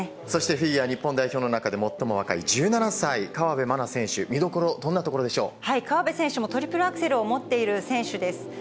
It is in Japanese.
そしてフィギュア日本代表の中でも最も若い１７歳、河辺愛菜選手、見どころ、どんなところで河辺選手もトリプルアクセルを持っている選手です。